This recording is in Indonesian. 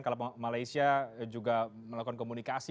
kalau malaysia juga melakukan komunikasi